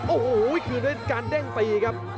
โอ้โหคืนด้วยการเด้งตีครับ